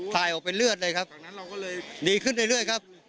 ทายออกเป็นเลือดเลยครับหนีขึ้นได้เรื่อยครับ